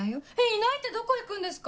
いないってどこ行くんですか？